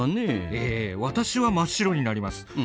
ええ私は真っ白になります。